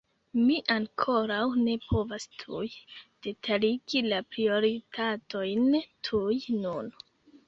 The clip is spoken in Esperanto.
Mi ankoraŭ ne povas tuj detaligi la prioritatojn tuj nun.